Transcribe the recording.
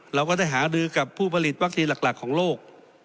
เราก็ได้หารือกับผู้ผลิตวัคซีนหลักของโลก